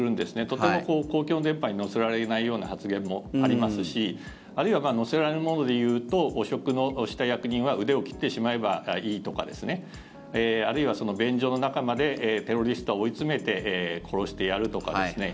とても公共の電波に乗せられないような発言もありますしあるいは乗せられるものでいうと汚職した役人は腕を切ってしまえばいいとかあるいは、便所の中までテロリストは追い詰めて殺してやるとかですね